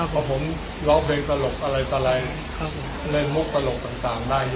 เพราะผมเล่าเพลงตลกอะไรตลายเล่นมกตลกต่างได้เยอะ